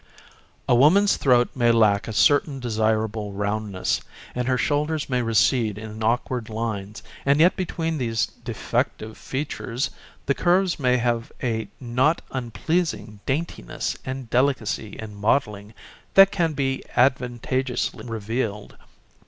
A woman's throat may lack a certain desirable roundness, and her shoulders may recede in awkward lines, and yet between these defective features the curves may have a not unpleasing daintiness and delicacy in modelling that can be advantageously revealed.